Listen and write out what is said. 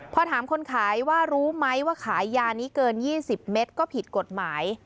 พอถามคนขายว่ารู้ไหมว่าขายยานี้เกิน๒๐เมตรก็ผิดกฎหมาย